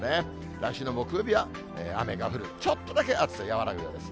来週の木曜日は雨が降る、ちょっとだけ暑さ和らぐようです。